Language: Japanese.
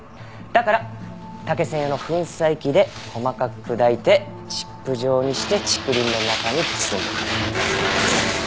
だから竹専用の粉砕機で細かく砕いてチップ状にして竹林の中に積んでおく。